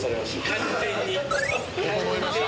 完全に。